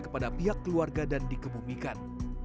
kepada pihak keluarga dan dikebumikan